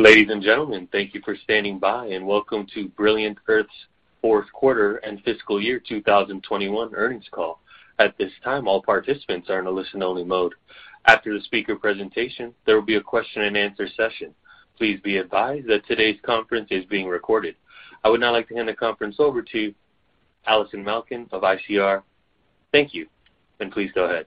Ladies and gentlemen, thank you for standing by and welcome to Brilliant Earth's Fourth Quarter and Fiscal Year 2021 Earnings Call. At this time, all participants are in a listen-only mode. After the speaker presentation, there will be a question-and-answer session. Please be advised that today's conference is being recorded. I would now like to hand the conference over to Allison Malkin of ICR. Thank you, and please go ahead.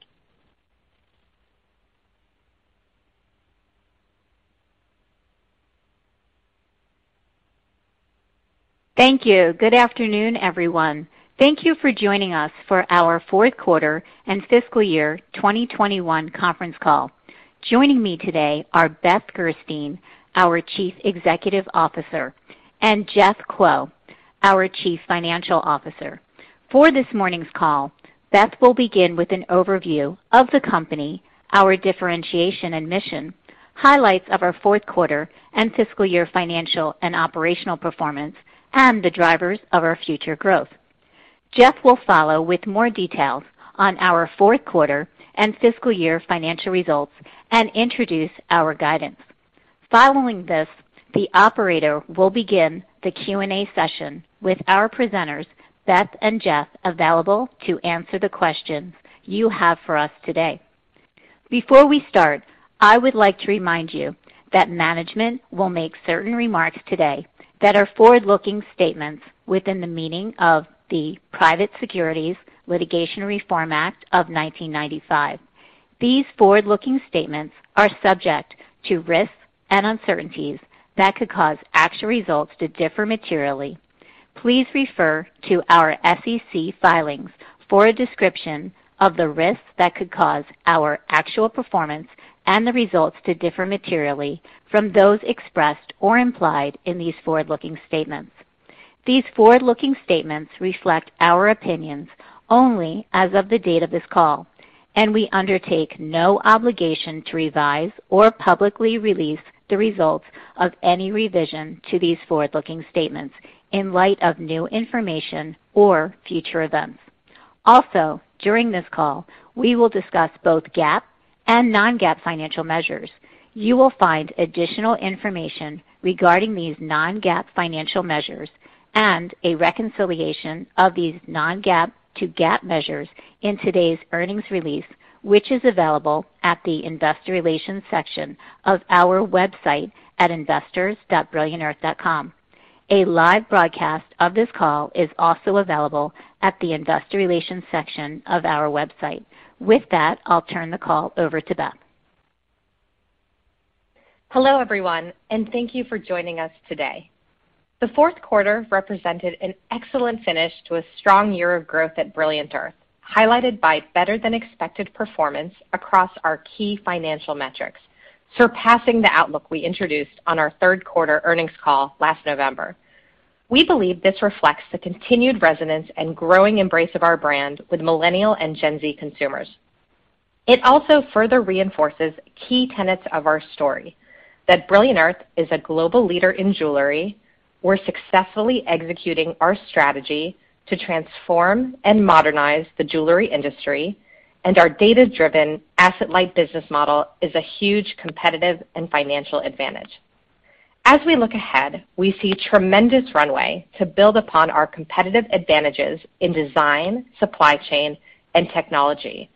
Thank you. Good afternoon, everyone. Thank you for joining us for our Fourth Quarter and Fiscal Year 2021 Conference Call. Joining me today are Beth Gerstein, our Chief Executive Officer, and Jeff Kuo, our Chief Financial Officer. For this morning's call, Beth will begin with an overview of the company, our differentiation and mission, highlights of our fourth quarter and fiscal year financial and operational performance, and the drivers of our future growth. Jeff will follow with more details on our fourth quarter and fiscal year financial results and introduce our guidance. Following this, the operator will begin the Q&A session with our presenters, Beth and Jeff, available to answer the questions you have for us today. Before we start, I would like to remind you that management will make certain remarks today that are forward-looking statements within the meaning of the Private Securities Litigation Reform Act of 1995. These forward-looking statements are subject to risks and uncertainties that could cause actual results to differ materially. Please refer to our SEC filings for a description of the risks that could cause our actual performance and the results to differ materially from those expressed or implied in these forward-looking statements. These forward-looking statements reflect our opinions only as of the date of this call, and we undertake no obligation to revise or publicly release the results of any revision to these forward-looking statements in light of new information or future events. Also, during this call, we will discuss both GAAP and non-GAAP financial measures. You will find additional information regarding these non-GAAP financial measures and a reconciliation of these non-GAAP to GAAP measures in today's earnings release, which is available at the investor relations section of our website at investors.brilliantearth.com. A live broadcast of this call is also available at the investor relations section of our website. With that, I'll turn the call over to Beth. Hello, everyone, and thank you for joining us today. The fourth quarter represented an excellent finish to a strong year of growth at Brilliant Earth, highlighted by better-than-expected performance across our key financial metrics, surpassing the outlook we introduced on our third quarter earnings call last November. We believe this reflects the continued resonance and growing embrace of our brand with Millennial and Gen Z consumers. It also further reinforces key tenets of our story that Brilliant Earth is a global leader in jewelry. We're successfully executing our strategy to transform and modernize the jewelry industry, and our data-driven asset-light business model is a huge competitive and financial advantage. As we look ahead, we see tremendous runway to build upon our competitive advantages in design, supply chain, and technology,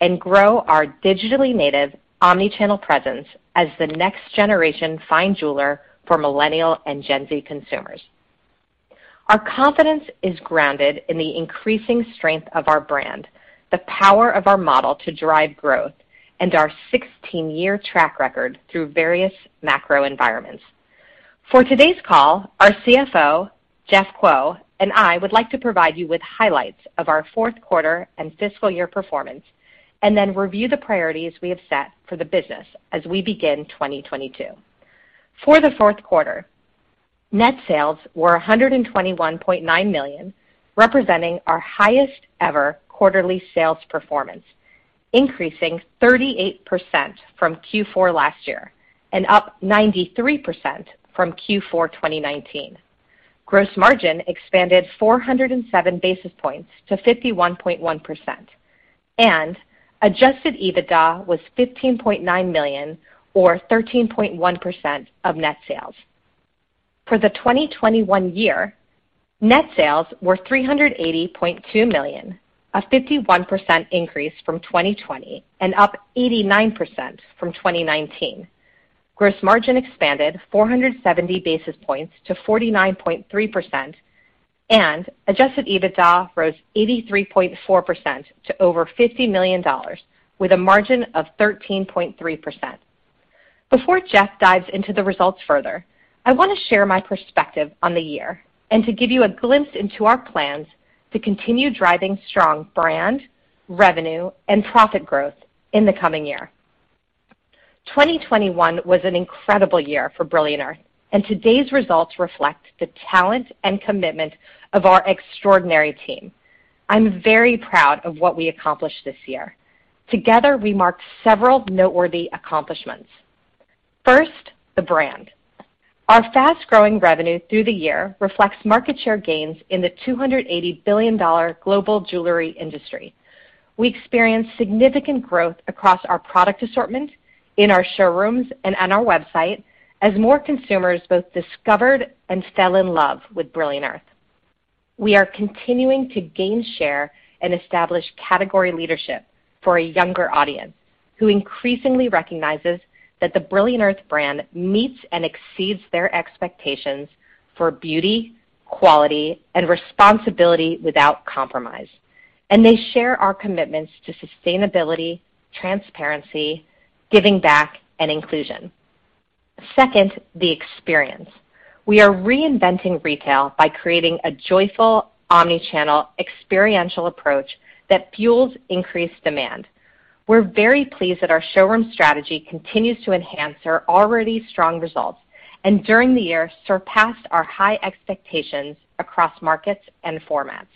and grow our digitally native omni-channel presence as the next generation fine jeweler for Millennial and Gen Z consumers. Our confidence is grounded in the increasing strength of our brand, the power of our model to drive growth, and our 16-year track record through various macro environments. For today's call, our CFO, Jeff Kuo, and I would like to provide you with highlights of our fourth quarter and fiscal year performance, and then review the priorities we have set for the business as we begin 2022. For the fourth quarter, net sales were $121.9 million, representing our highest ever quarterly sales performance, increasing 38% from Q4 last year and up 93% from Q4 2019. Gross margin expanded 407 basis points to 51.1%, and adjusted EBITDA was $15.9 million or 13.1% of net sales. For the 2021 year, net sales were $380.2 million, a 51% increase from 2020 and up 89% from 2019. Gross margin expanded 470 basis points to 49.3%, and adjusted EBITDA rose 83.4% to over $50 million with a margin of 13.3%. Before Jeff dives into the results further, I want to share my perspective on the year and to give you a glimpse into our plans to continue driving strong brand, revenue, and profit growth in the coming year. 2021 was an incredible year for Brilliant Earth, and today's results reflect the talent and commitment of our extraordinary team. I'm very proud of what we accomplished this year. Together, we marked several noteworthy accomplishments. First, the brand. Our fast-growing revenue through the year reflects market share gains in the $280 billion global jewelry industry. We experienced significant growth across our product assortment in our showrooms and on our website as more consumers both discovered and fell in love with Brilliant Earth. We are continuing to gain share and establish category leadership for a younger audience, who increasingly recognizes that the Brilliant Earth brand meets and exceeds their expectations for beauty, quality, and responsibility without compromise. They share our commitments to sustainability, transparency, giving back, and inclusion. Second, the experience. We are reinventing retail by creating a joyful, omni-channel, experiential approach that fuels increased demand. We're very pleased that our showroom strategy continues to enhance our already strong results, and during the year, surpassed our high expectations across markets and formats.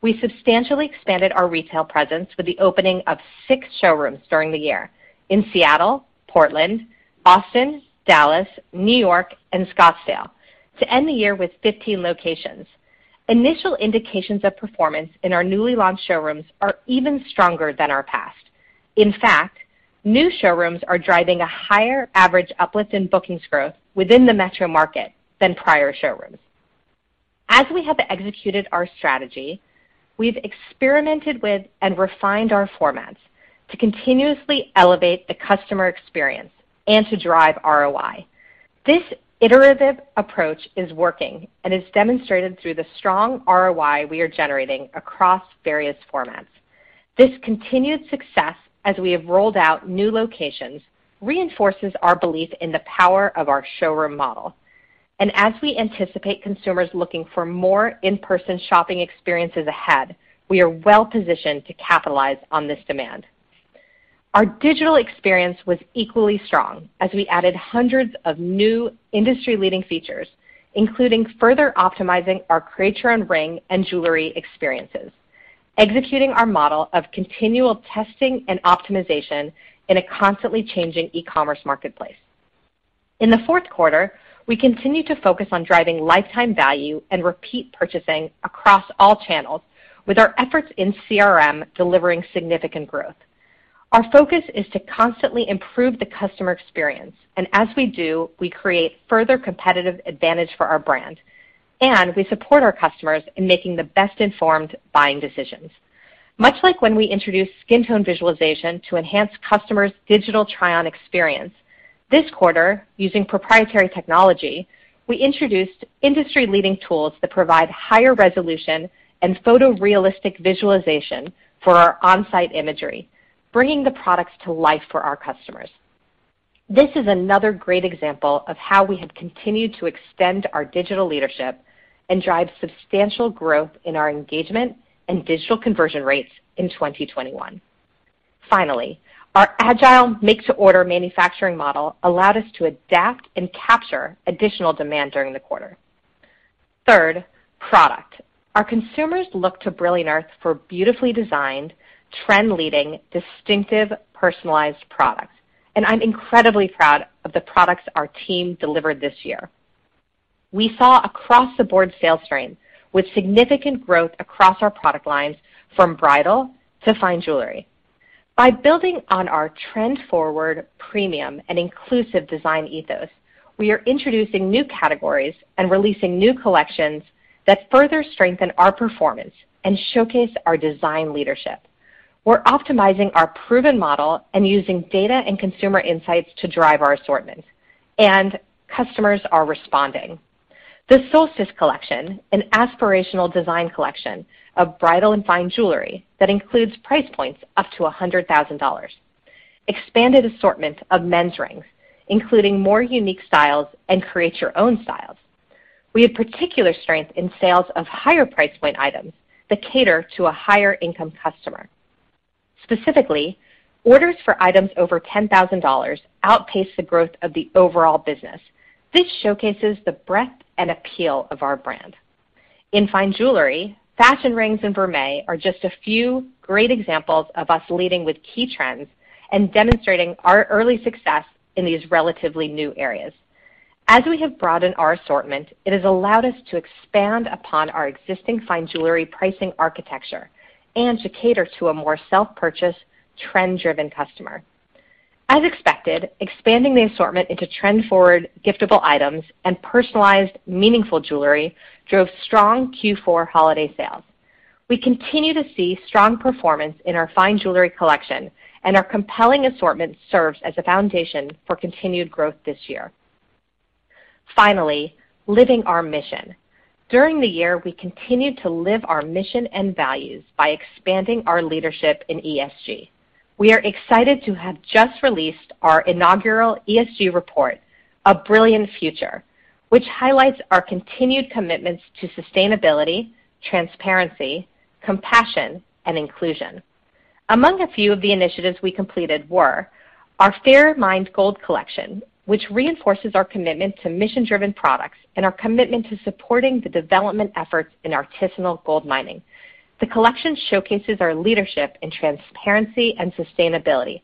We substantially expanded our retail presence with the opening of 6 showrooms during the year in Seattle, Portland, Austin, Dallas, New York, and Scottsdale to end the year with 15 locations. Initial indications of performance in our newly launched showrooms are even stronger than our past. In fact, new showrooms are driving a higher average uplift in bookings growth within the metro market than prior showrooms. As we have executed our strategy, we've experimented with and refined our formats to continuously elevate the customer experience and to drive ROI. This iterative approach is working and is demonstrated through the strong ROI we are generating across various formats. This continued success as we have rolled out new locations reinforces our belief in the power of our showroom model. As we anticipate consumers looking for more in-person shopping experiences ahead, we are well-positioned to capitalize on this demand. Our digital experience was equally strong as we added hundreds of new industry-leading features, including further optimizing our Create Your Own Ring and jewelry experiences, executing our model of continual testing and optimization in a constantly changing e-commerce marketplace. In the fourth quarter, we continued to focus on driving lifetime value and repeat purchasing across all channels with our efforts in CRM delivering significant growth. Our focus is to constantly improve the customer experience, and as we do, we create further competitive advantage for our brand, and we support our customers in making the best-informed buying decisions. Much like when we introduced skin tone visualization to enhance customers' digital try-on experience, this quarter, using proprietary technology, we introduced industry-leading tools that provide higher resolution and photorealistic visualization for our on-site imagery, bringing the products to life for our customers. This is another great example of how we have continued to extend our digital leadership and drive substantial growth in our engagement and digital conversion rates in 2021. Finally, our agile make-to-order manufacturing model allowed us to adapt and capture additional demand during the quarter. Third, product. Our consumers look to Brilliant Earth for beautifully designed, trend-leading, distinctive, personalized products, and I'm incredibly proud of the products our team delivered this year. We saw across-the-board sales strength with significant growth across our product lines from bridal to fine jewelry. By building on our trend-forward, premium, and inclusive design ethos, we are introducing new categories and releasing new collections that further strengthen our performance and showcase our design leadership. We're optimizing our proven model and using data and consumer insights to drive our assortment, and customers are responding. The Solstice Collection, an aspirational design collection of bridal and fine jewelry that includes price points up to $100,000, expanded assortment of men's rings, including more unique styles and Create Your Own styles. We had particular strength in sales of higher price point items that cater to a higher-income customer. Specifically, orders for items over $10,000 outpaced the growth of the overall business. This showcases the breadth and appeal of our brand. In fine jewelry, fashion rings and vermeil are just a few great examples of us leading with key trends and demonstrating our early success in these relatively new areas. As we have broadened our assortment, it has allowed us to expand upon our existing fine jewelry pricing architecture and to cater to a more self-purchase, trend-driven customer. As expected, expanding the assortment into trend-forward giftable items and personalized meaningful jewelry drove strong Q4 holiday sales. We continue to see strong performance in our fine jewelry collection, and our compelling assortment serves as a foundation for continued growth this year. Finally, living our mission during the year, we continued to live our mission and values by expanding our leadership in ESG. We are excited to have just released our inaugural ESG report, A Brilliant Future, which highlights our continued commitments to sustainability, transparency, compassion, and inclusion. Among a few of the initiatives we completed were our Fairmined Gold Collection, which reinforces our commitment to mission-driven products and our commitment to supporting the development efforts in artisanal gold mining. The collection showcases our leadership in transparency and sustainability,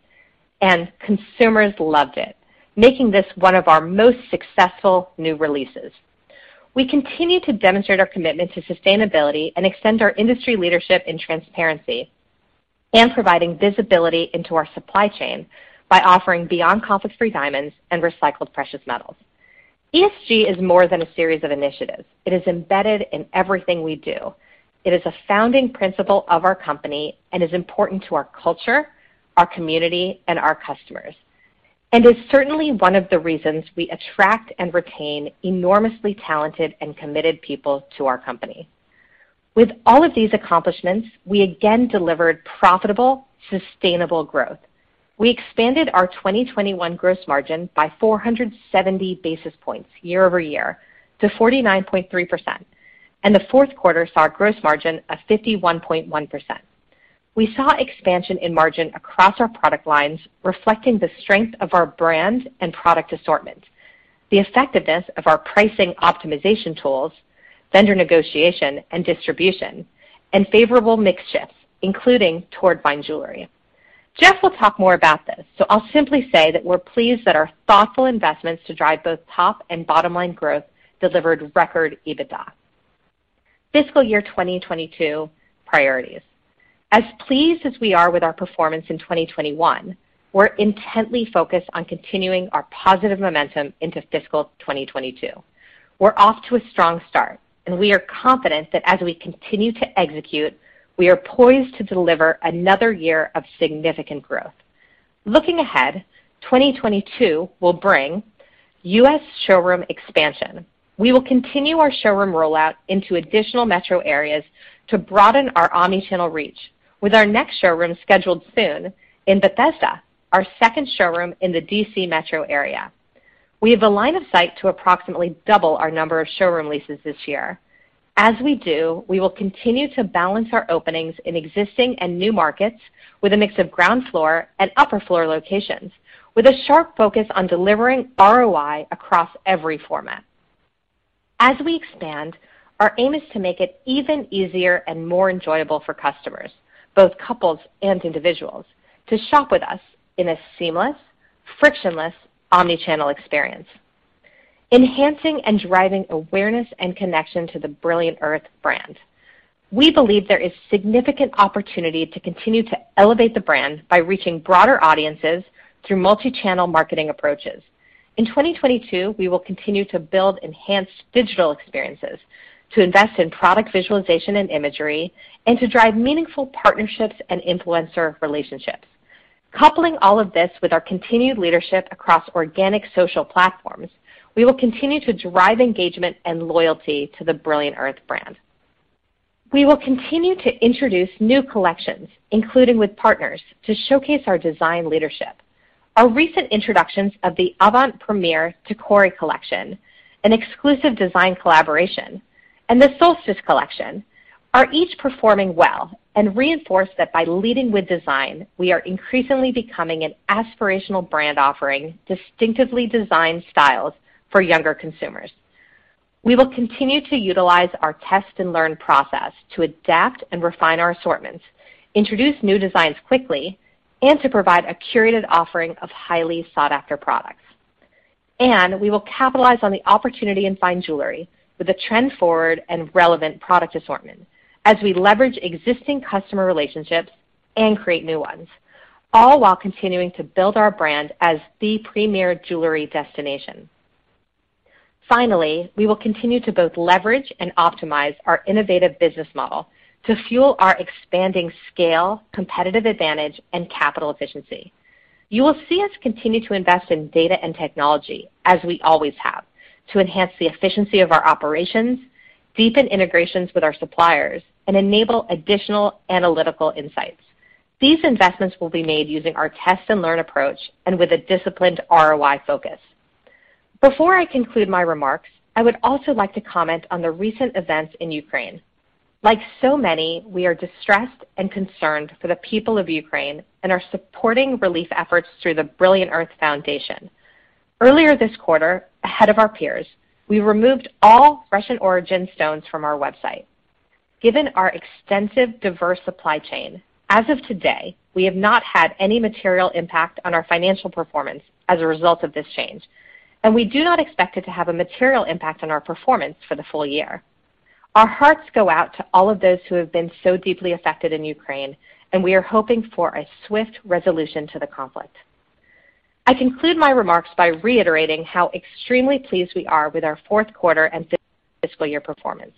and consumers loved it, making this one of our most successful new releases. We continue to demonstrate our commitment to sustainability and extend our industry leadership in transparency. Providing visibility into our supply chain by offering Beyond Conflict Free diamonds and recycled precious metals. ESG is more than a series of initiatives. It is embedded in everything we do. It is a founding principle of our company and is important to our culture, our community, and our customers, and is certainly one of the reasons we attract and retain enormously talented and committed people to our company. With all of these accomplishments, we again delivered profitable, sustainable growth. We expanded our 2021 gross margin by 470 basis points year-over-year to 49.3%, and the fourth quarter saw a gross margin of 51.1%. We saw expansion in margin across our product lines, reflecting the strength of our brand and product assortment, the effectiveness of our pricing optimization tools, vendor negotiation and distribution, and favorable mix shifts, including toward fine jewelry. Jeff will talk more about this, so I'll simply say that we're pleased that our thoughtful investments to drive both top- and bottom-line growth delivered record EBITDA. Fiscal year 2022 priorities. As pleased as we are with our performance in 2021, we're intently focused on continuing our positive momentum into fiscal 2022. We're off to a strong start, and we are confident that as we continue to execute, we are poised to deliver another year of significant growth. Looking ahead, 2022 will bring U.S. showroom expansion. We will continue our showroom rollout into additional metro areas to broaden our omni-channel reach. With our next showroom scheduled soon in Bethesda, our second showroom in the D.C. metro area. We have a line of sight to approximately double our number of showroom leases this year. As we do, we will continue to balance our openings in existing and new markets with a mix of ground floor and upper floor locations, with a sharp focus on delivering ROI across every format. As we expand, our aim is to make it even easier and more enjoyable for customers, both couples and individuals, to shop with us in a seamless, frictionless, omni-channel experience, enhancing and driving awareness and connection to the Brilliant Earth brand. We believe there is significant opportunity to continue to elevate the brand by reaching broader audiences through multi-channel marketing approaches. In 2022, we will continue to build enhanced digital experiences, to invest in product visualization and imagery, and to drive meaningful partnerships and influencer relationships. Coupling all of this with our continued leadership across organic social platforms, we will continue to drive engagement and loyalty to the Brilliant Earth brand. We will continue to introduce new collections, including with partners, to showcase our design leadership. Our recent introductions of the Avant Premiere Tacori Collection, an exclusive design collaboration, and the Solstice Collection are each performing well and reinforce that by leading with design, we are increasingly becoming an aspirational brand offering distinctively designed styles for younger consumers. We will continue to utilize our test and learn process to adapt and refine our assortments, introduce new designs quickly, and to provide a curated offering of highly sought-after products. We will capitalize on the opportunity in fine jewelry with a trend-forward and relevant product assortment as we leverage existing customer relationships and create new ones, all while continuing to build our brand as the premier jewelry destination. Finally, we will continue to both leverage and optimize our innovative business model to fuel our expanding scale, competitive advantage and capital efficiency. You will see us continue to invest in data and technology as we always have to enhance the efficiency of our operations, deepen integrations with our suppliers, and enable additional analytical insights. These investments will be made using our test and learn approach and with a disciplined ROI focus. Before I conclude my remarks, I would also like to comment on the recent events in Ukraine. Like so many, we are distressed and concerned for the people of Ukraine and are supporting relief efforts through the Brilliant Earth Foundation. Earlier this quarter, ahead of our peers, we removed all Russian origin stones from our website. Given our extensive diverse supply chain, as of today, we have not had any material impact on our financial performance as a result of this change, and we do not expect it to have a material impact on our performance for the full year. Our hearts go out to all of those who have been so deeply affected in Ukraine, and we are hoping for a swift resolution to the conflict. I conclude my remarks by reiterating how extremely pleased we are with our fourth quarter and fiscal year performance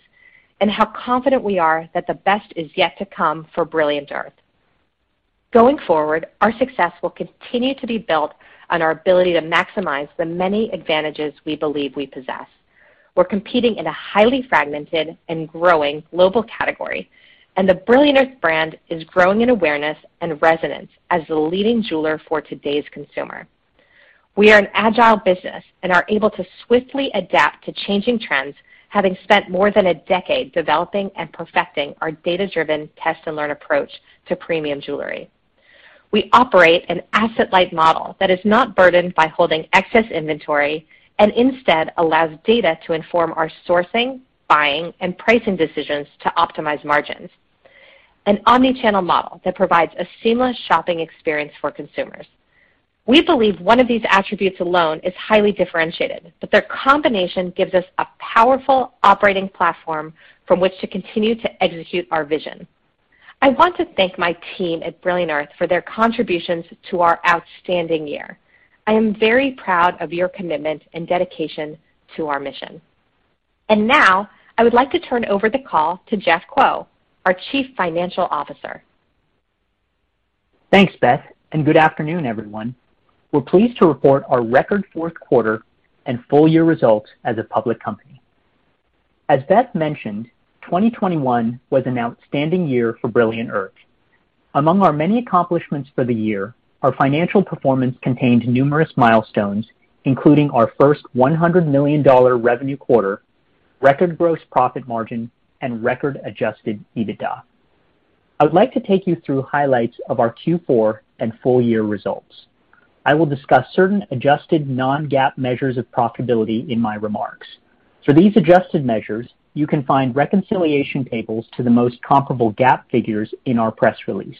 and how confident we are that the best is yet to come for Brilliant Earth. Going forward, our success will continue to be built on our ability to maximize the many advantages we believe we possess. We're competing in a highly fragmented and growing global category, and the Brilliant Earth brand is growing in awareness and resonance as the leading jeweler for today's consumer. We are an agile business and are able to swiftly adapt to changing trends, having spent more than a decade developing and perfecting our data-driven test and learn approach to premium jewelry. We operate an asset-light model that is not burdened by holding excess inventory and instead allows data to inform our sourcing, buying, and pricing decisions to optimize margins, an omni-channel model that provides a seamless shopping experience for consumers. We believe one of these attributes alone is highly differentiated, but their combination gives us a powerful operating platform from which to continue to execute our vision. I want to thank my team at Brilliant Earth for their contributions to our outstanding year. I am very proud of your commitment and dedication to our mission. Now I would like to turn over the call to Jeff Kuo, our Chief Financial Officer. Thanks, Beth, and good afternoon, everyone. We're pleased to report our record fourth quarter and full year results as a public company. As Beth mentioned, 2021 was an outstanding year for Brilliant Earth. Among our many accomplishments for the year, our financial performance contained numerous milestones, including our first $100 million revenue quarter, record gross profit margin, and record adjusted EBITDA. I would like to take you through highlights of our Q4 and full year results. I will discuss certain adjusted non-GAAP measures of profitability in my remarks. For these adjusted measures, you can find reconciliation tables to the most comparable GAAP figures in our press release.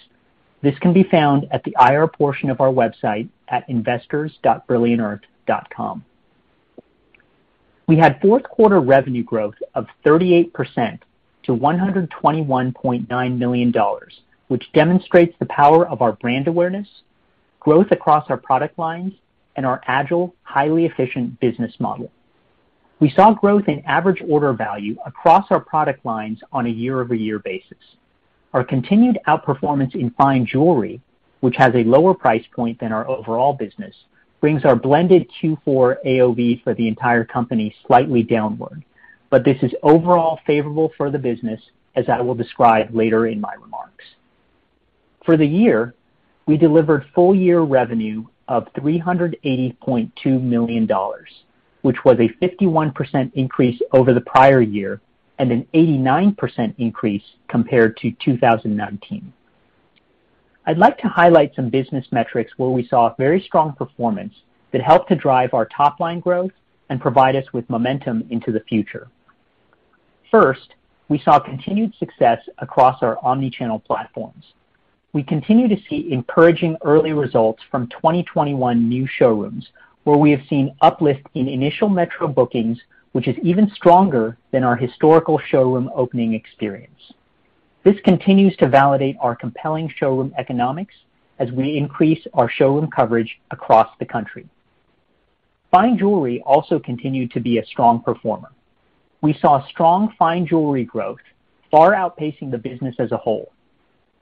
This can be found at the IR portion of our website at investors.brilliantearth.com. We had fourth-quarter revenue growth of 38% to $121.9 million, which demonstrates the power of our brand awareness, growth across our product lines, and our agile, highly efficient business model. We saw growth in average order value across our product lines on a year-over-year basis. Our continued outperformance in fine jewelry, which has a lower price point than our overall business, brings our blended Q4 AOV for the entire company slightly downward. This is overall favorable for the business, as I will describe later in my remarks. For the year, we delivered full-year revenue of $380.2 million, which was a 51% increase over the prior year and an 89% increase compared to 2019. I'd like to highlight some business metrics where we saw very strong performance that helped to drive our top-line growth and provide us with momentum into the future. First, we saw continued success across our omni-channel platforms. We continue to see encouraging early results from 2021 new showrooms, where we have seen uplift in initial metro bookings, which is even stronger than our historical showroom opening experience. This continues to validate our compelling showroom economics as we increase our showroom coverage across the country. Fine jewelry also continued to be a strong performer. We saw strong fine jewelry growth, far outpacing the business as a whole.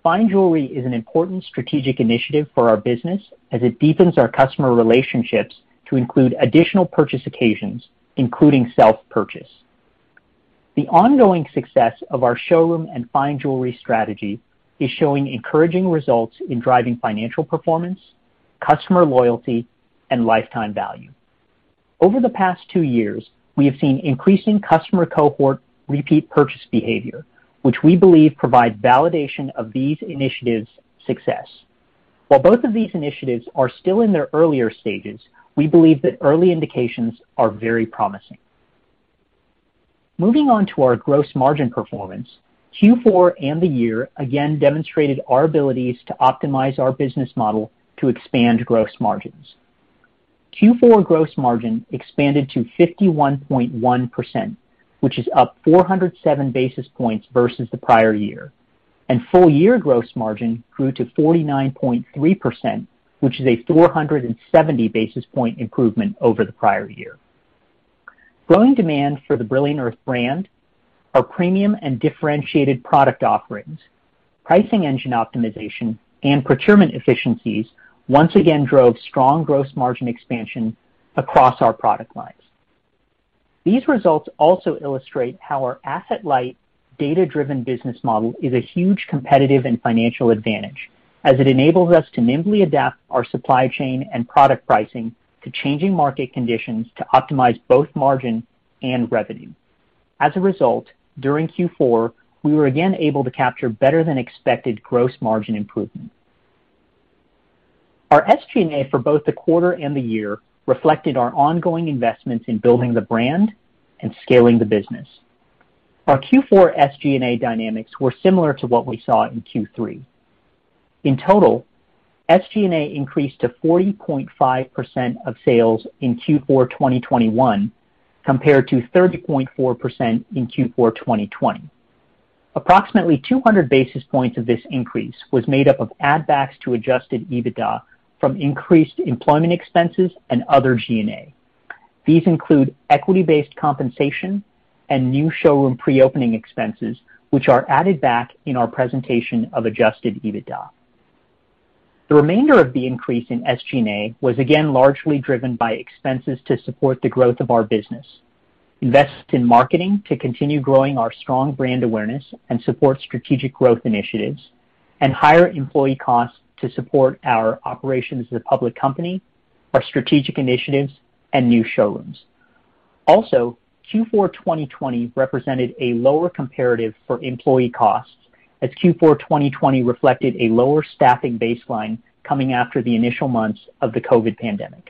Fine jewelry is an important strategic initiative for our business as it deepens our customer relationships to include additional purchase occasions, including self-purchase. The ongoing success of our showroom and fine jewelry strategy is showing encouraging results in driving financial performance, customer loyalty, and lifetime value. Over the past two years, we have seen increasing customer cohort repeat purchase behavior, which we believe provides validation of these initiatives' success. While both of these initiatives are still in their earlier stages, we believe that early indications are very promising. Moving on to our gross margin performance, Q4 and the year again demonstrated our abilities to optimize our business model to expand gross margins. Q4 gross margin expanded to 51.1%, which is up 407 basis points versus the prior year. Full year gross margin grew to 49.3%, which is a 470 basis point improvement over the prior year. Growing demand for the Brilliant Earth brand, our premium and differentiated product offerings, pricing engine optimization, and procurement efficiencies once again drove strong gross margin expansion across our product lines. These results also illustrate how our asset-light, data-driven business model is a huge competitive and financial advantage, as it enables us to nimbly adapt our supply chain and product pricing to changing market conditions to optimize both margin and revenue. As a result, during Q4, we were again able to capture better than expected gross margin improvement. Our SG&A for both the quarter and the year reflected our ongoing investments in building the brand and scaling the business. Our Q4 SG&A dynamics were similar to what we saw in Q3. In total, SG&A increased to 40.5% of sales in Q4 2021, compared to 30.4% in Q4 2020. Approximately 200 basis points of this increase was made up of add backs to adjusted EBITDA from increased employment expenses and other G&A. These include equity-based compensation and new showroom pre-opening expenses, which are added back in our presentation of adjusted EBITDA. The remainder of the increase in SG&A was again largely driven by expenses to support the growth of our business, invest in marketing to continue growing our strong brand awareness and support strategic growth initiatives, and higher employee costs to support our operations as a public company, our strategic initiatives, and new showrooms. Also, Q4 2020 represented a lower comparative for employee costs, as Q4 2020 reflected a lower staffing baseline coming after the initial months of the COVID pandemic.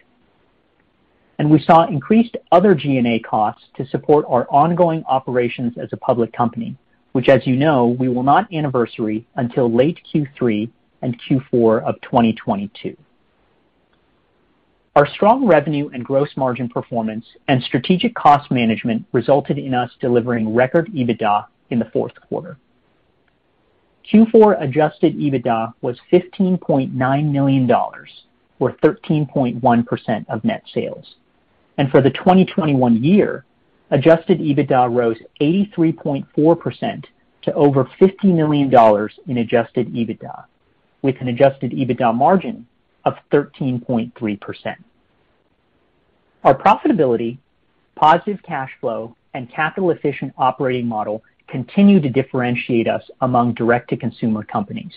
We saw increased other G&A costs to support our ongoing operations as a public company, which as you know, we will not anniversary until late Q3 and Q4 of 2022. Our strong revenue and gross margin performance and strategic cost management resulted in us delivering record EBITDA in the fourth quarter. Q4 adjusted EBITDA was $15.9 million or 13.1% of net sales. For the 2021 year, adjusted EBITDA rose 83.4% to over $50 million in adjusted EBITDA, with an adjusted EBITDA margin of 13.3%. Our profitability, positive cash flow, and capital efficient operating model continue to differentiate us among direct-to-consumer companies.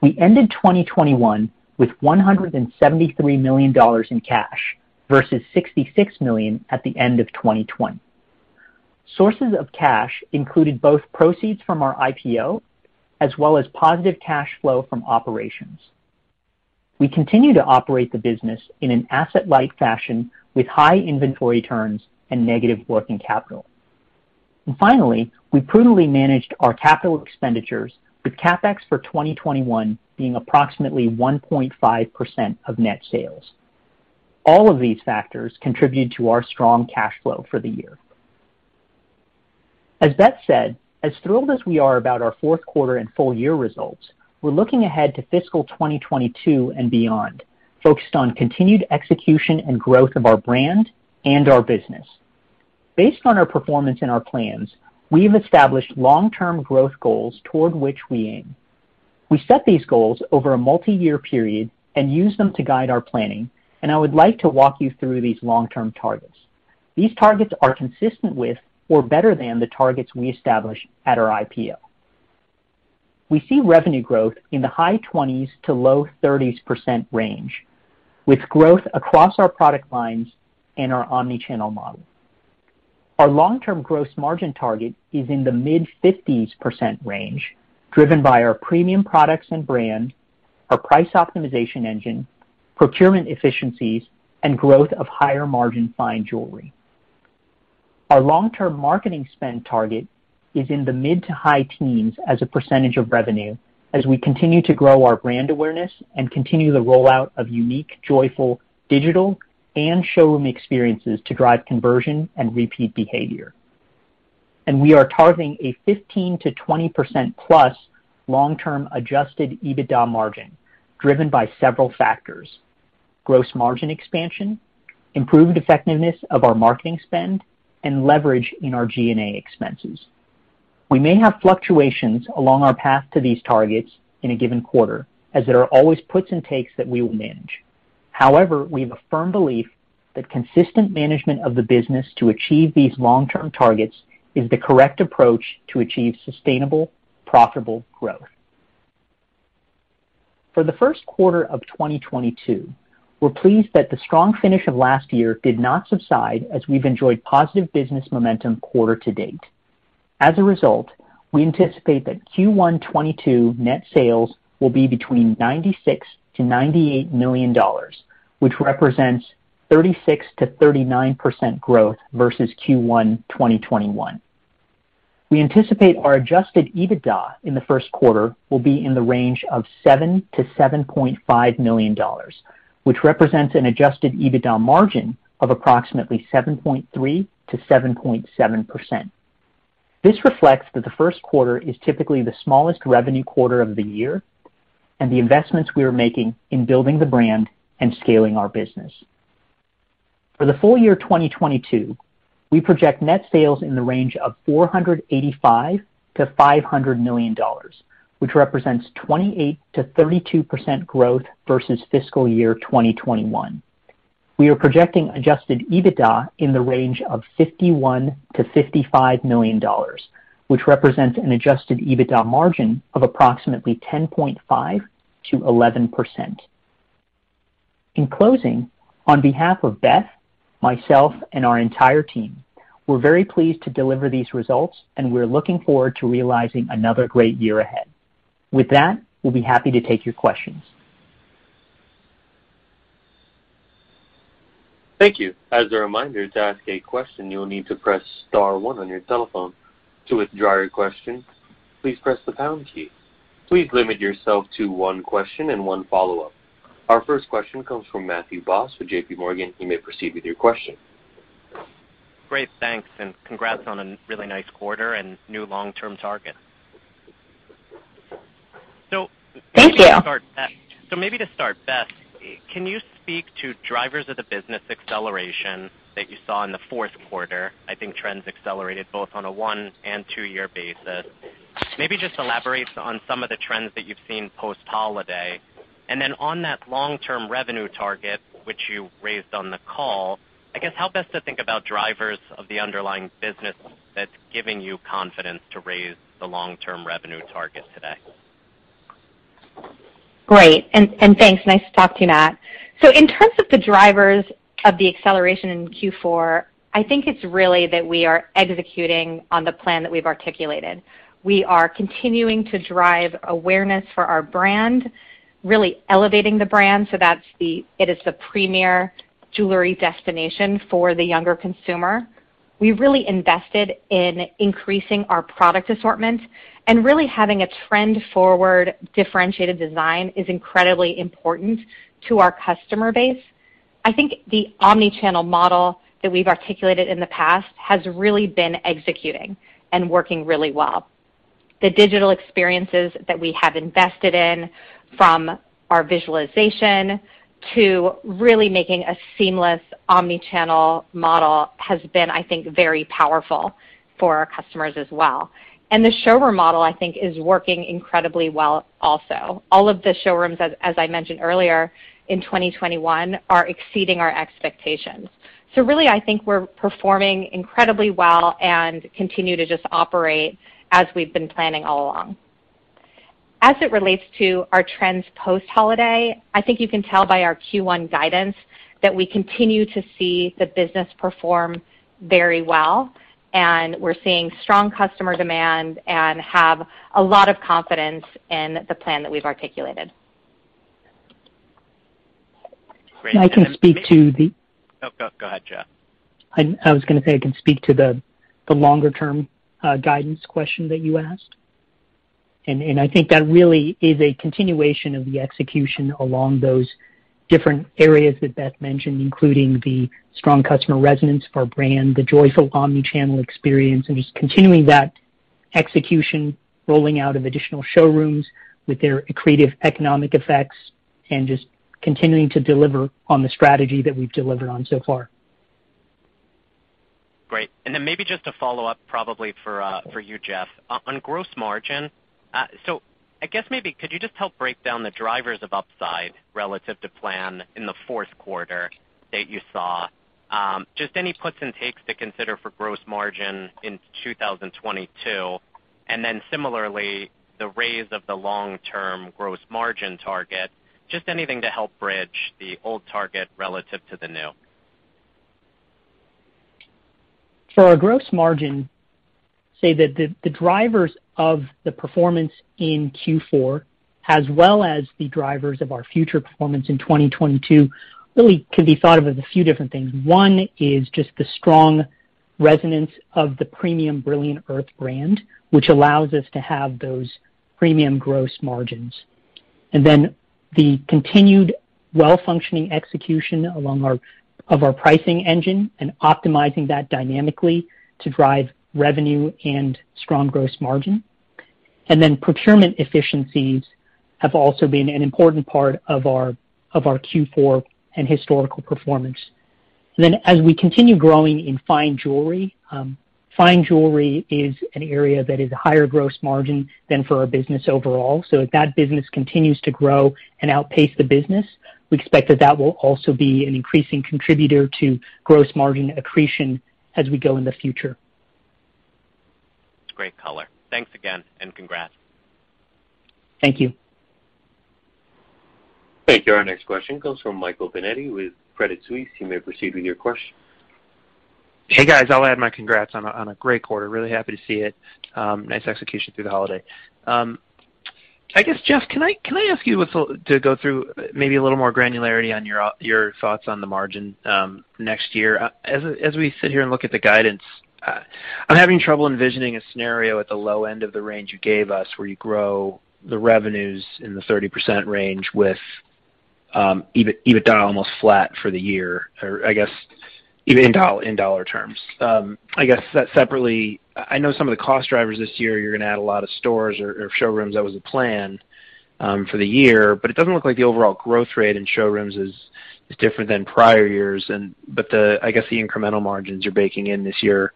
We ended 2021 with $173 million in cash versus $66 million at the end of 2020. Sources of cash included both proceeds from our IPO as well as positive cash flow from operations. We continue to operate the business in an asset-light fashion with high inventory turns and negative working capital. Finally, we prudently managed our capital expenditures with CapEx for 2021 being approximately 1.5% of net sales. All of these factors contributed to our strong cash flow for the year. As Beth said, as thrilled as we are about our fourth quarter and full year results, we're looking ahead to fiscal 2022 and beyond, focused on continued execution and growth of our brand and our business. Based on our performance and our plans, we have established long-term growth goals toward which we aim. We set these goals over a multiyear period and use them to guide our planning, and I would like to walk you through these long-term targets. These targets are consistent with or better than the targets we established at our IPO. We see revenue growth in the high 20s-low 30s% range, with growth across our product lines and our omni-channel model. Our long-term gross margin target is in the mid-50s% range, driven by our premium products and brand, our price optimization engine, procurement efficiencies, and growth of higher margin fine jewelry. Our long-term marketing spend target is in the mid- to high teens% of revenue as we continue to grow our brand awareness and continue the rollout of unique, joyful digital and showroom experiences to drive conversion and repeat behavior. We are targeting a 15%-20%+ long-term adjusted EBITDA margin, driven by several factors, gross margin expansion, improved effectiveness of our marketing spend, and leverage in our G&A expenses. We may have fluctuations along our path to these targets in a given quarter, as there are always puts and takes that we will manage. However, we have a firm belief that consistent management of the business to achieve these long-term targets is the correct approach to achieve sustainable, profitable growth. For the first quarter of 2022, we're pleased that the strong finish of last year did not subside as we've enjoyed positive business momentum quarter to date. As a result, we anticipate that Q1 2022 net sales will be between $96 million-$98 million, which represents 36%-39% growth versus Q1 2021. We anticipate our adjusted EBITDA in the first quarter will be in the range of $7-$7.5 million, which represents an adjusted EBITDA margin of approximately 7.3%-7.7%. This reflects that the first quarter is typically the smallest revenue quarter of the year and the investments we are making in building the brand and scaling our business. For the full year 2022, we project net sales in the range of $485-$500 million, which represents 28%-32% growth versus fiscal year 2021. We are projecting adjusted EBITDA in the range of $51-$55 million, which represents an adjusted EBITDA margin of approximately 10.5%-11%. In closing, on behalf of Beth, myself, and our entire team, we're very pleased to deliver these results, and we're looking forward to realizing another great year ahead. With that, we'll be happy to take your questions. Thank you. As a reminder, to ask a question, you will need to press star one on your telephone. To withdraw your question, please press the pound key. Please limit yourself to one question and one follow-up. Our first question comes from Matthew Boss with JPMorgan. You may proceed with your question. Great. Thanks, and congrats on a really nice quarter and new long-term target. Thank you. Maybe to start, Beth, can you speak to drivers of the business acceleration that you saw in the fourth quarter? I think trends accelerated both on a 1- and 2-year basis. Maybe just elaborate on some of the trends that you've seen post-holiday. Then on that long-term revenue target, which you raised on the call, I guess, help us to think about drivers of the underlying business that's giving you confidence to raise the long-term revenue target today. Great. Thanks. Nice to talk to you, Matthew. In terms of the drivers of the acceleration in Q4, I think it's really that we are executing on the plan that we've articulated. We are continuing to drive awareness for our brand, really elevating the brand so that it is the premier jewelry destination for the younger consumer. We really invested in increasing our product assortment and really having a trend-forward differentiated design is incredibly important to our customer base. I think the omni-channel model that we've articulated in the past has really been executing and working really well. The digital experiences that we have invested in from our visualization to really making a seamless omni-channel model has been, I think, very powerful for our customers as well. The showroom model, I think, is working incredibly well also. All of the showrooms, as I mentioned earlier in 2021, are exceeding our expectations. Really, I think we're performing incredibly well and continue to just operate as we've been planning all along. As it relates to our trends post-holiday, I think you can tell by our Q1 guidance that we continue to see the business perform very well, and we're seeing strong customer demand and have a lot of confidence in the plan that we've articulated. Great. I can speak to the. Oh, go ahead, Jeff. I was gonna say, I can speak to the longer-term guidance question that you asked. I think that really is a continuation of the execution along those different areas that Beth mentioned, including the strong customer resonance of our brand, the joyful omni-channel experience, and just continuing that execution, rolling out of additional showrooms with their accretive economic effects, and just continuing to deliver on the strategy that we've delivered on so far. Great. Then maybe just a follow-up probably for you, Jeff. On gross margin, so I guess maybe could you just help break down the drivers of upside relative to plan in the fourth quarter that you saw? Just any puts and takes to consider for gross margin in 2022, and then similarly, the raise of the long-term gross margin target, just anything to help bridge the old target relative to the new. For our gross margin, the drivers of the performance in Q4, as well as the drivers of our future performance in 2022 really can be thought of as a few different things. One is just the strong resonance of the premium Brilliant Earth brand, which allows us to have those premium gross margins. The continued well-functioning execution of our pricing engine and optimizing that dynamically to drive revenue and strong gross margin. Procurement efficiencies have also been an important part of our Q4 and historical performance. As we continue growing in fine jewelry, fine jewelry is an area that is higher gross margin than for our business overall. If that business continues to grow and outpace the business, we expect that will also be an increasing contributor to gross margin accretion as we go in the future. Great color. Thanks again and congrats. Thank you. Thank you. Our next question comes from Michael Binetti with Credit Suisse. You may proceed with your question. Hey, guys. I'll add my congrats on a great quarter. Really happy to see it. Nice execution through the holiday. I guess, Jeff, can I ask you to go through maybe a little more granularity on your thoughts on the margin next year? As we sit here and look at the guidance, I'm having trouble envisioning a scenario at the low end of the range you gave us where you grow the revenues in the 30% range with EBITDA almost flat for the year, or I guess even in dollar terms. I guess that separately, I know some of the cost drivers this year, you're gonna add a lot of stores or showrooms. That was the plan for the year, but it doesn't look like the overall growth rate in showrooms is different than prior years, but, I guess, the incremental margins you're baking in this year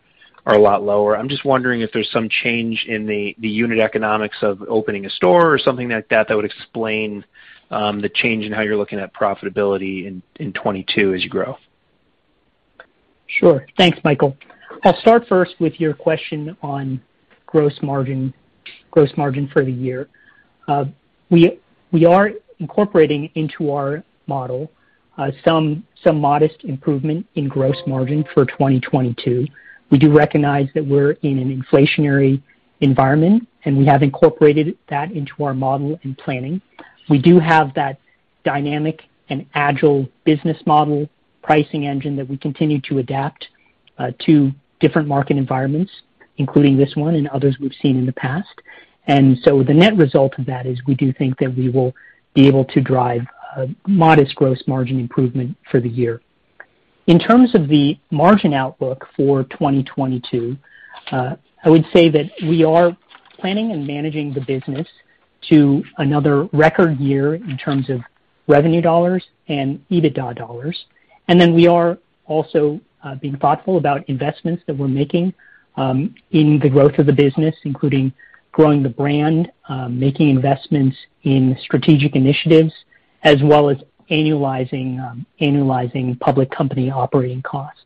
are a lot lower. I'm just wondering if there's some change in the unit economics of opening a store or something like that that would explain the change in how you're looking at profitability in 2022 as you grow. Sure. Thanks, Michael. I'll start first with your question on gross margin, gross margin for the year. We are incorporating into our model some modest improvement in gross margin for 2022. We do recognize that we're in an inflationary environment, and we have incorporated that into our model and planning. We do have that dynamic and agile business model pricing engine that we continue to adapt to different market environments, including this one and others we've seen in the past. The net result of that is we do think that we will be able to drive a modest gross margin improvement for the year. In terms of the margin outlook for 2022, I would say that we are planning and managing the business to another record year in terms of revenue dollars and EBITDA dollars. We are also being thoughtful about investments that we're making in the growth of the business, including growing the brand, making investments in strategic initiatives, as well as annualizing public company operating costs.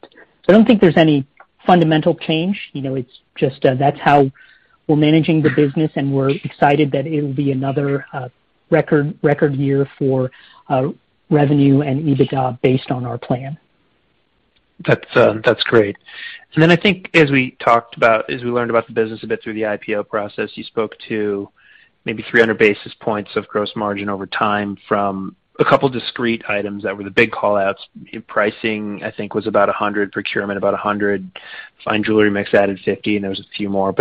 I don't think there's any fundamental change. You know, it's just that's how we're managing the business, and we're excited that it will be another record year for revenue and EBITDA based on our plan. That's great. I think as we talked about, as we learned about the business a bit through the IPO process, you spoke to maybe 300 basis points of gross margin over time from a couple discrete items that were the big call-outs. Pricing, I think, was about 100, procurement about 100. Fine jewelry mix added 50, and there was a few more.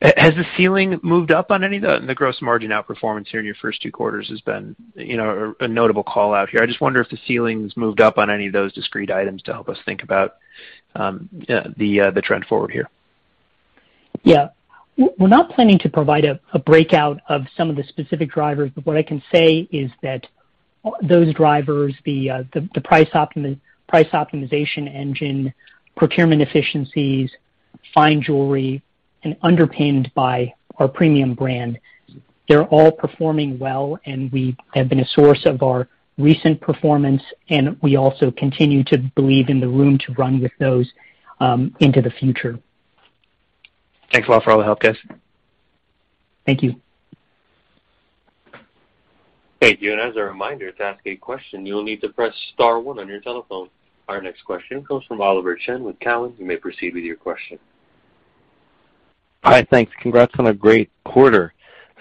Has the ceiling moved up on any of those? The gross margin outperformance here in your first two quarters has been, you know, a notable call-out here. I just wonder if the ceiling's moved up on any of those discrete items to help us think about the trend-forward here. Yeah. We're not planning to provide a breakout of some of the specific drivers, but what I can say is that those drivers, the price optimization engine, procurement efficiencies, fine jewelry, and underpinned by our premium brand, they're all performing well, and they have been a source of our recent performance, and we also continue to believe in the room to run with those into the future. Thanks a lot for all the help, guys. Thank you. Thank you. As a reminder, to ask a question, you'll need to press star one on your telephone. Our next question comes from Oliver Chen with Cowen. You may proceed with your question. Hi. Thanks. Congrats on a great quarter.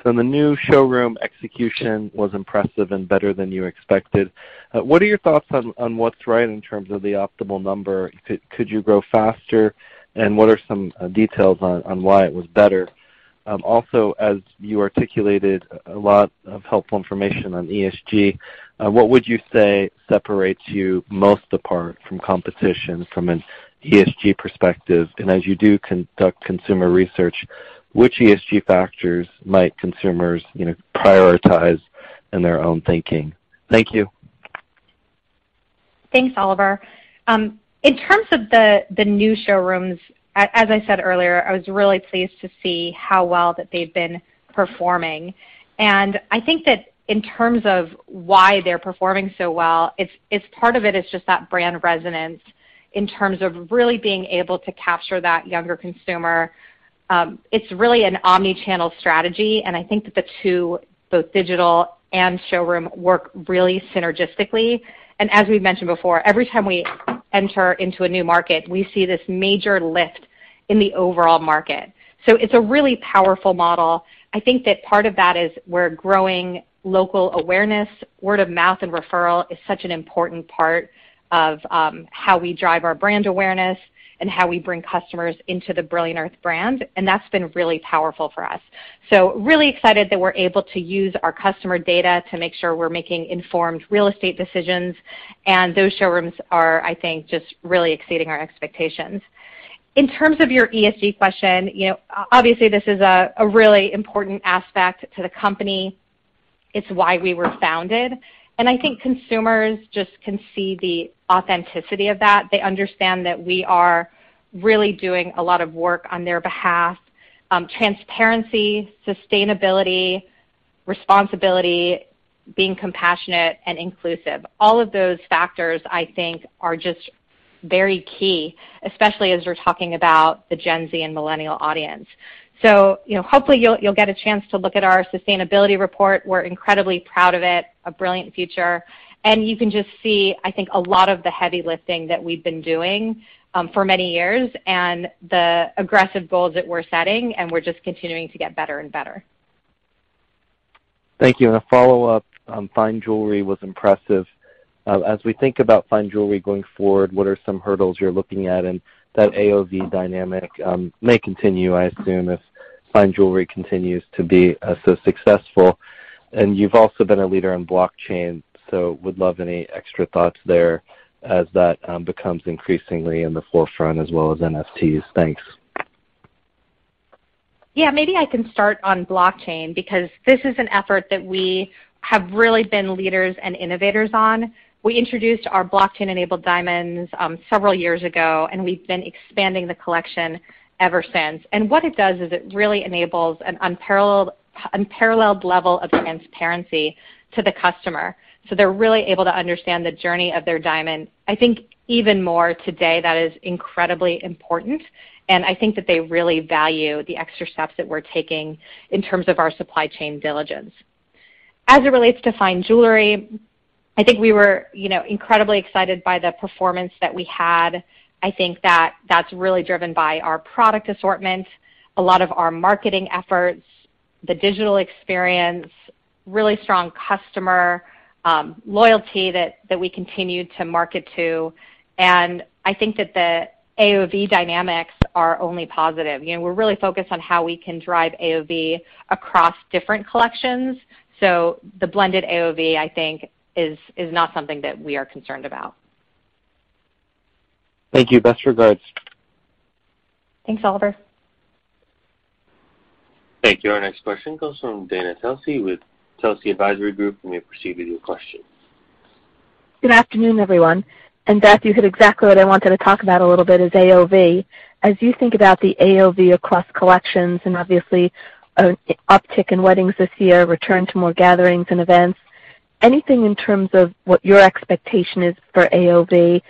The new showroom execution was impressive and better than you expected. What are your thoughts on what's right in terms of the optimal number? Could you grow faster? What are some details on why it was better? Also, as you articulated a lot of helpful information on ESG, what would you say separates you most apart from competition from an ESG perspective? As you do conduct consumer research, which ESG factors might consumers, you know, prioritize in their own thinking? Thank you. Thanks, Oliver. In terms of the new showrooms, as I said earlier, I was really pleased to see how well they've been performing. I think that in terms of why they're performing so well, it's part of it, just that brand resonance in terms of really being able to capture that younger consumer. It's really an omni-channel strategy, and I think that both digital and showroom work really synergistically. As we've mentioned before, every time we enter into a new market, we see this major lift in the overall market. It's a really powerful model. I think that part of that is we're growing local awareness. Word of mouth and referral is such an important part of how we drive our brand awareness and how we bring customers into the Brilliant Earth brand, and that's been really powerful for us. Really excited that we're able to use our customer data to make sure we're making informed real estate decisions, and those showrooms are, I think, just really exceeding our expectations. In terms of your ESG question, you know, obviously, this is a really important aspect to the company. It's why we were founded. I think consumers just can see the authenticity of that. They understand that we are really doing a lot of work on their behalf. Transparency, sustainability, responsibility, being compassionate and inclusive, all of those factors, I think, are just very key, especially as we're talking about the Gen Z and Millennial audience. You know, hopefully you'll get a chance to look at our sustainability report. We're incredibly proud of it, A Brilliant Future. You can just see, I think, a lot of the heavy lifting that we've been doing for many years and the aggressive goals that we're setting, and we're just continuing to get better and better. Thank you. A follow-up, fine jewelry was impressive. As we think about fine jewelry going forward, what are some hurdles you're looking at? That AOV dynamic may continue, I assume, if fine jewelry continues to be so successful. You've also been a leader in blockchain, so would love any extra thoughts there as that becomes increasingly in the forefront, as well as NFTs. Thanks. Yeah. Maybe I can start on blockchain because this is an effort that we have really been leaders and innovators on. We introduced our blockchain-enabled diamonds several years ago, and we've been expanding the collection ever since. What it does is it really enables an unparalleled level of transparency to the customer, so they're really able to understand the journey of their diamond. I think even more today that is incredibly important, and I think that they really value the extra steps that we're taking in terms of our supply chain diligence. As it relates to fine jewelry, I think we were, you know, incredibly excited by the performance that we had. I think that that's really driven by our product assortment, a lot of our marketing efforts, the digital experience, really strong customer loyalty that we continue to market to. I think that the AOV dynamics are only positive. You know, we're really focused on how we can drive AOV across different collections. The blended AOV, I think, is not something that we are concerned about. Thank you. Best regards. Thanks, Oliver. Thank you. Our next question comes from Dana Telsey with Telsey Advisory Group. You may proceed with your question. Good afternoon, everyone. Beth, you hit exactly what I wanted to talk about a little bit is AOV. As you think about the AOV across collections and obviously an uptick in weddings this year, return to more gatherings and events, anything in terms of what your expectation is for AOV,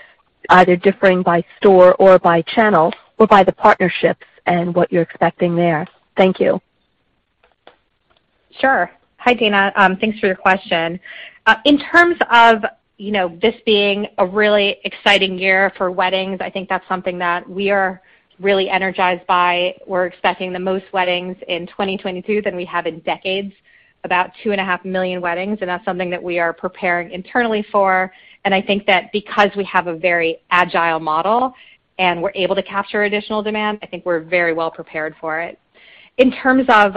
either differing by store or by channel or by the partnerships and what you're expecting there? Thank you. Sure. Hi, Dana. Thanks for your question. In terms of, you know, this being a really exciting year for weddings, I think that's something that we are really energized by. We're expecting the most weddings in 2022 than we have in decades, about 2.5 million weddings, and that's something that we are preparing internally for. I think that because we have a very agile model, and we're able to capture additional demand, I think we're very well prepared for it. In terms of,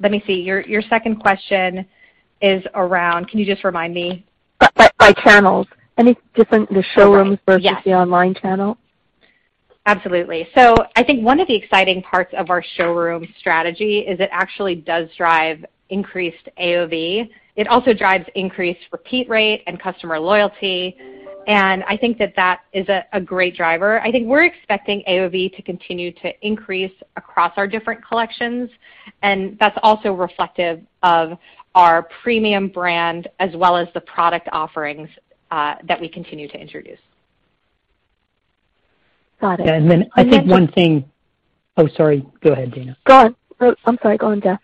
let me see. Your second question is around. Can you just remind me? By channels. Any different- Oh, right. Yes. the showrooms versus the online channel? Absolutely. I think one of the exciting parts of our showroom strategy is it actually does drive increased AOV. It also drives increased repeat rate and customer loyalty, and I think that is a great driver. I think we're expecting AOV to continue to increase across our different collections, and that's also reflective of our premium brand as well as the product offerings that we continue to introduce. Got it. Oh, sorry. Go ahead, Dana. Go on. Oh, I'm sorry. Go on, Jeff.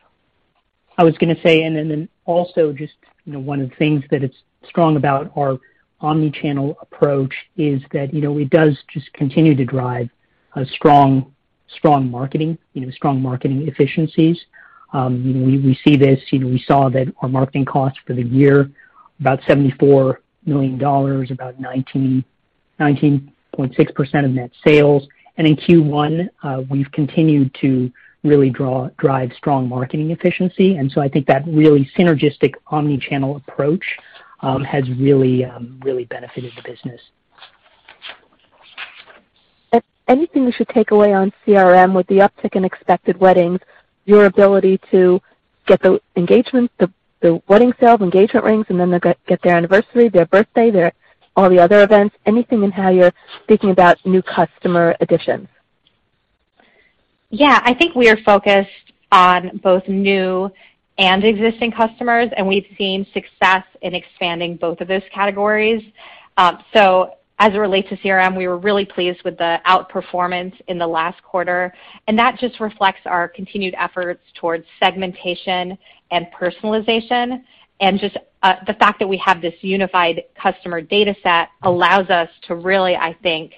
One of the things that it's strong about our omni-channel approach is that, you know, it does just continue to drive a strong marketing efficiencies. You know, we see this. You know, we saw that our marketing costs for the year about $74 million, about 19.6% of net sales. In Q1, we've continued to really drive strong marketing efficiency. I think that really synergistic omni-channel approach has really benefited the business. Anything we should take away on CRM with the uptick in expected weddings, your ability to get the engagement, the wedding sales, engagement rings, and then to get their anniversary, their birthday, their all the other events, anything in how you're thinking about new customer additions? Yeah. I think we are focused on both new and existing customers, and we've seen success in expanding both of those categories. As it relates to CRM, we were really pleased with the outperformance in the last quarter, and that just reflects our continued efforts towards segmentation and personalization. Just the fact that we have this unified customer data set allows us to really, I think,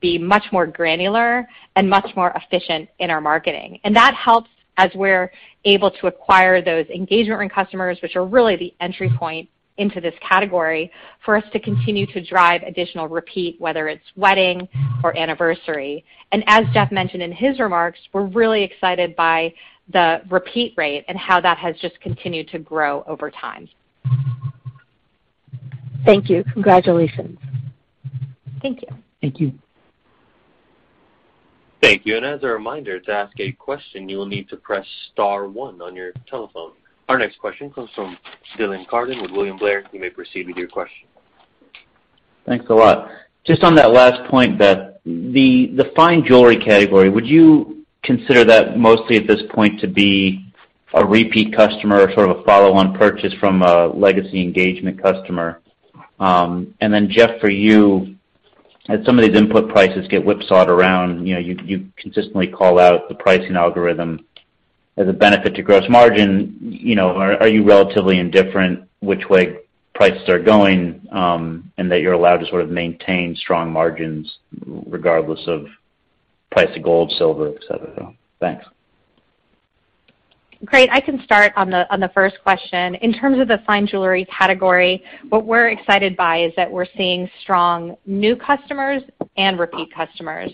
be much more granular and much more efficient in our marketing. That helps as we're able to acquire those engagement ring customers, which are really the entry point into this category for us to continue to drive additional repeat, whether it's wedding or anniversary. As Jeff mentioned in his remarks, we're really excited by the repeat rate and how that has just continued to grow over time. Thank you. Congratulations. Thank you. Thank you. Thank you. As a reminder, to ask a question, you will need to press star one on your telephone. Our next question comes from Dylan Carden with William Blair. You may proceed with your question. Thanks a lot. Just on that last point, Beth, the fine jewelry category, would you consider that mostly at this point to be a repeat customer or sort of a follow-on purchase from a legacy engagement customer? Jeff, for you, as some of these input prices get whipsawed around, you know, you consistently call out the pricing algorithm as a benefit to gross margin. You know, are you relatively indifferent which way prices are going, and that you're allowed to sort of maintain strong margins regardless of price of gold, silver, et cetera? Thanks. Great. I can start on the first question. In terms of the fine jewelry category, what we're excited by is that we're seeing strong new customers and repeat customers.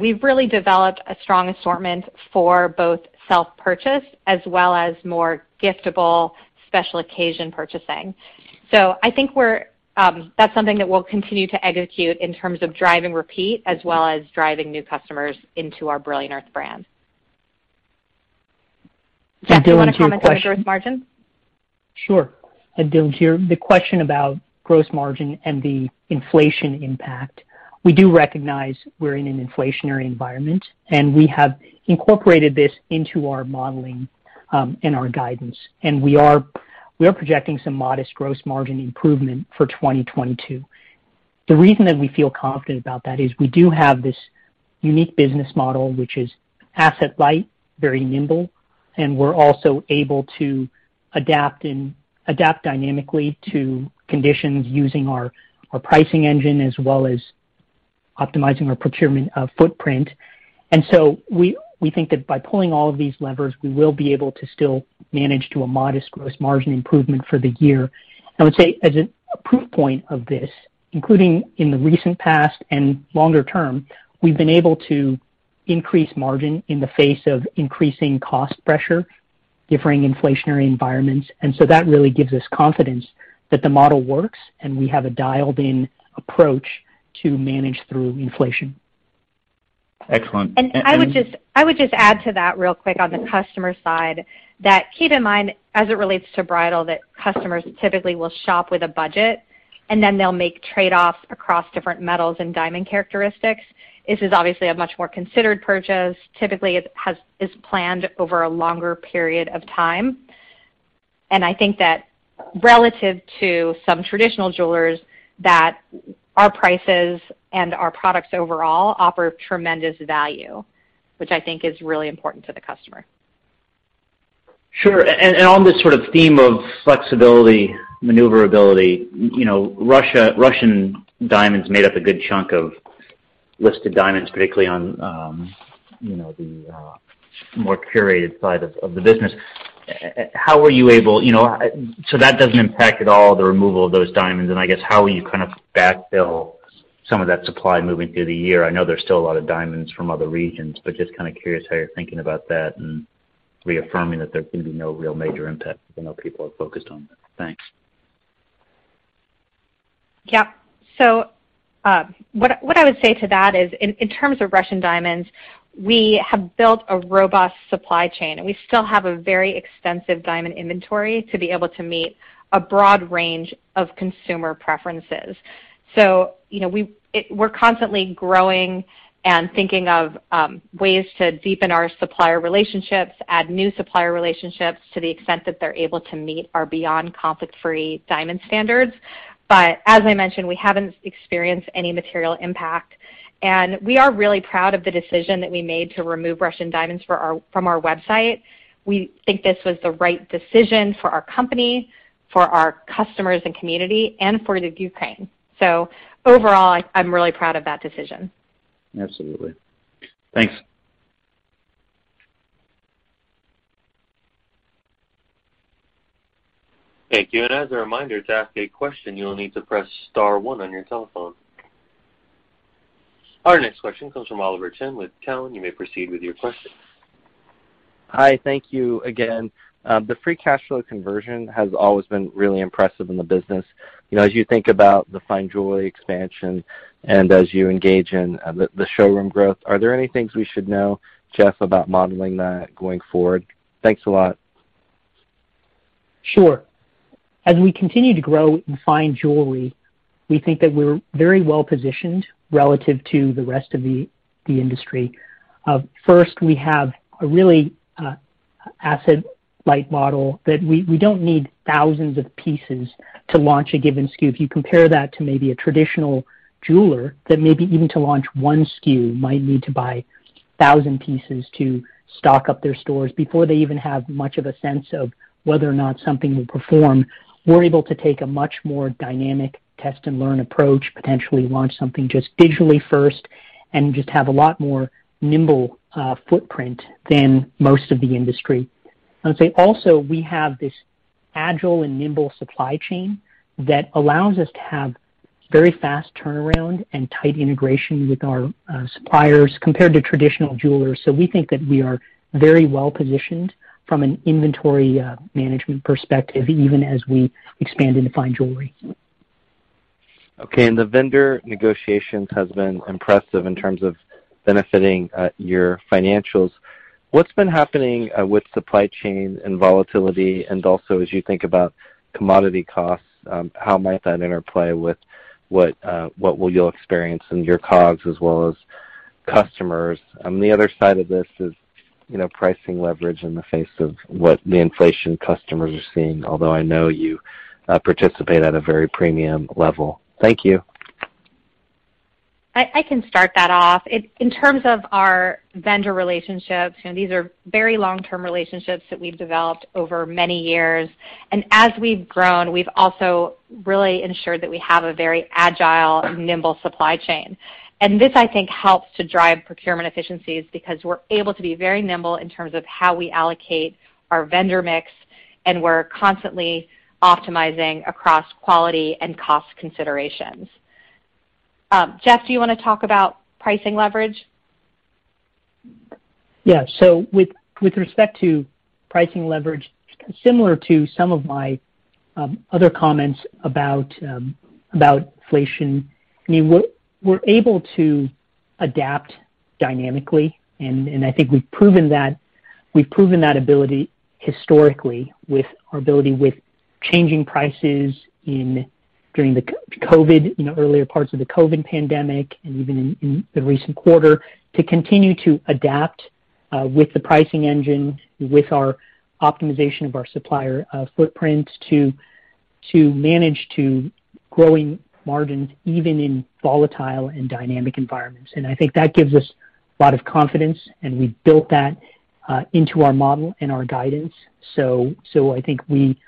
We've really developed a strong assortment for both self-purchase as well as more giftable special occasion purchasing. I think that's something that we'll continue to execute in terms of driving repeat as well as driving new customers into our Brilliant Earth brand. Dylan, to your question- Jeff, do you want to comment on the gross margin? Sure. Dylan here. The question about gross margin and the inflation impact, we do recognize we're in an inflationary environment, and we have incorporated this into our modeling and our guidance, and we are projecting some modest gross margin improvement for 2022. The reason that we feel confident about that is we do have this unique business model, which is asset light, very nimble, and we're also able to adapt dynamically to conditions using our pricing engine as well as optimizing our procurement footprint. We think that by pulling all of these levers, we will be able to still manage to a modest gross margin improvement for the year. I would say as a proof point of this, including in the recent past and longer term, we've been able to increase margin in the face of increasing cost pressure, differing inflationary environments. That really gives us confidence that the model works, and we have a dialed in approach to manage through inflation. Excellent. I would just add to that real quick on the customer side, that keep in mind, as it relates to bridal, that customers typically will shop with a budget, and then they'll make trade-offs across different metals and diamond characteristics. This is obviously a much more considered purchase. Typically, it is planned over a longer period of time. I think that relative to some traditional jewelers, that our prices and our products overall offer tremendous value, which I think is really important to the customer. Sure. On this sort of theme of flexibility, maneuverability, you know, Russian diamonds made up a good chunk of listed diamonds, particularly on the more curated side of the business. How were you able to... You know, so that doesn't impact at all the removal of those diamonds, and I guess how will you kind of backfill some of that supply moving through the year. I know there's still a lot of diamonds from other regions, but just kinda curious how you're thinking about that and reaffirming that there's gonna be no real major impact, even though people are focused on that. Thanks. Yeah. What I would say to that is in terms of Russian diamonds, we have built a robust supply chain, and we still have a very extensive diamond inventory to be able to meet a broad range of consumer preferences. You know, we're constantly growing and thinking of ways to deepen our supplier relationships, add new supplier relationships to the extent that they're able to meet our Beyond Conflict Free diamond standards. But as I mentioned, we haven't experienced any material impact. We are really proud of the decision that we made to remove Russian diamonds from our website. We think this was the right decision for our company, for our customers and community, and for the Ukraine. Overall, I'm really proud of that decision. Absolutely. Thanks. Thank you. As a reminder, to ask a question, you'll need to press star one on your telephone. Our next question comes from Oliver Chen with Cowen. You may proceed with your question. Hi. Thank you again. The free cash flow conversion has always been really impressive in the business. You know, as you think about the fine jewelry expansion and as you engage in the showroom growth, are there any things we should know, Jeff, about modeling that going forward? Thanks a lot. Sure. As we continue to grow in fine jewelry, we think that we're very well-positioned relative to the rest of the industry. First, we have a really asset-light model that we don't need thousands of pieces to launch a given SKU. If you compare that to maybe a traditional jeweler that maybe even to launch one SKU might need to buy 1,000 pieces to stock up their stores before they even have much of a sense of whether or not something will perform, we're able to take a much more dynamic test-and-learn approach, potentially launch something just digitally first, and just have a lot more nimble footprint than most of the industry. I would say also we have this agile and nimble supply chain that allows us to have very fast turnaround and tight integration with our suppliers compared to traditional jewelers. We think that we are very well-positioned from an inventory management perspective, even as we expand into fine jewelry. Okay. The vendor negotiations has been impressive in terms of benefiting your financials. What's been happening with supply chain and volatility, and also as you think about commodity costs, how might that interplay with what will you experience in your COGS as well as customers? On the other side of this is, you know, pricing leverage in the face of what the inflation customers are seeing, although I know you participate at a very premium level. Thank you. I can start that off. In terms of our vendor relationships, you know, these are very long-term relationships that we've developed over many years. As we've grown, we've also really ensured that we have a very agile, nimble supply chain. This, I think, helps to drive procurement efficiencies because we're able to be very nimble in terms of how we allocate our vendor mix, and we're constantly optimizing across quality and cost considerations. Jeff, do you wanna talk about pricing leverage? Yeah. With respect to pricing leverage, similar to some of my other comments about inflation, I mean, we're able to adapt dynamically, and I think we've proven that. We've proven that ability historically with changing prices during the COVID, you know, earlier parts of the COVID pandemic and even in the recent quarter, to continue to adapt with the pricing engine, with our optimization of our supplier footprint to manage growing margins even in volatile and dynamic environments. I think that gives us a lot of confidence, and we've built that into our model and our guidance. I think we,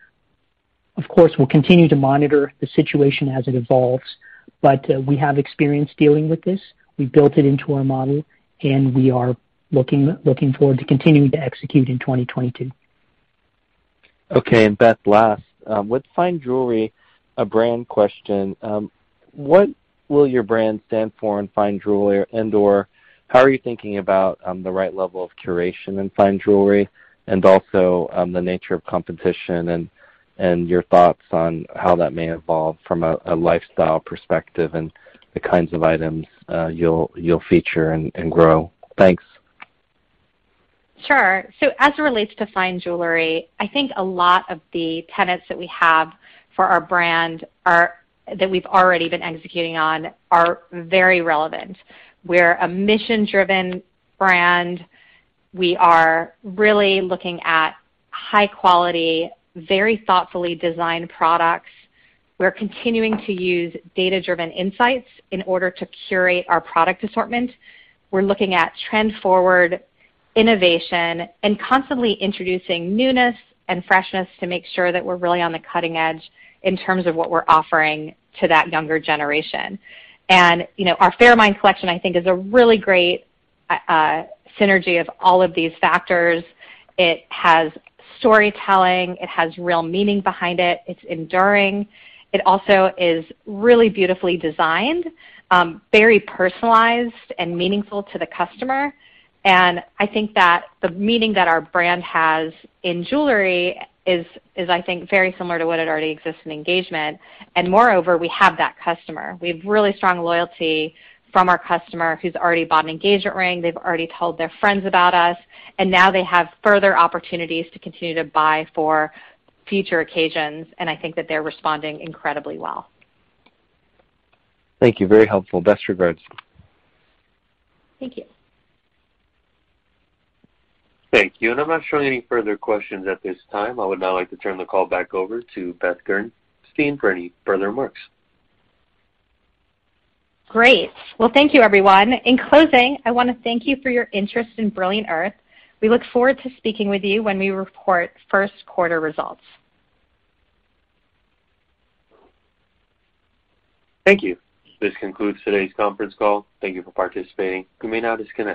of course, will continue to monitor the situation as it evolves, but we have experience dealing with this. We've built it into our model, and we are looking forward to continuing to execute in 2022. Okay. Beth, last, with fine jewelry, a brand question. What will your brand stand for in fine jewelry and/or how are you thinking about the right level of curation in fine jewelry, and also, the nature of competition and your thoughts on how that may evolve from a lifestyle perspective and the kinds of items, you'll feature and grow? Thanks. Sure. As it relates to fine jewelry, I think a lot of the tenets that we've already been executing on are very relevant. We're a mission-driven brand. We are really looking at high quality, very thoughtfully designed products. We're continuing to use data-driven insights in order to curate our product assortment. We're looking at trend-forward innovation and constantly introducing newness and freshness to make sure that we're really on the cutting edge in terms of what we're offering to that younger generation. You know, our Fairmined collection, I think, is a really great synergy of all of these factors. It has storytelling. It has real meaning behind it. It's enduring. It also is really beautifully designed, very personalized and meaningful to the customer. I think that the meaning that our brand has in jewelry is, I think very similar to what it already exists in engagement. Moreover, we have that customer. We have really strong loyalty from our customer who's already bought an engagement ring. They've already told their friends about us, and now they have further opportunities to continue to buy for future occasions, and I think that they're responding incredibly well. Thank you. Very helpful. Best regards. Thank you. Thank you. I'm not showing any further questions at this time. I would now like to turn the call back over to Beth Gerstein for any further remarks. Great. Well, thank you, everyone. In closing, I wanna thank you for your interest in Brilliant Earth. We look forward to speaking with you when we report first quarter results. Thank you. This concludes today's conference call. Thank you for participating. You may now disconnect.